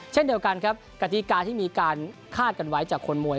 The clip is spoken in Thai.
เช่นเดียวกันครับกติกาที่มีการคาดกันไว้จากคนมวย